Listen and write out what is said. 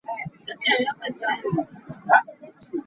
Tutan kan khualtlawn cu kan nikhua pah ko.